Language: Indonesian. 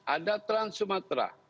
ada trans sumatera